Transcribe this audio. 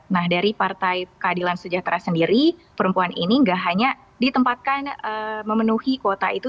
nah dari partai keadilan sejahtera sendiri perempuan ini gak hanya ditempatkan memenuhi kuota itu